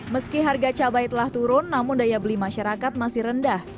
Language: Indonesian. meski harga cabai telah turun namun daya beli masyarakat masih rendah